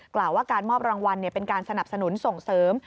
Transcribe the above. กล่าวว่าการมอบรางวัลเป็นการสนับสนุนส่งเสริม